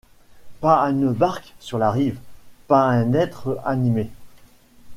Pas une barque sur la rive ; pas un être animé.